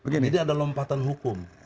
jadi ada lompatan hukum